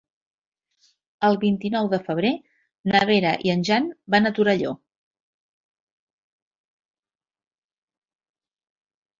El vint-i-nou de febrer na Vera i en Jan van a Torelló.